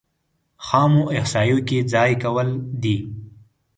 خامو احصایو کې ځای کول دي.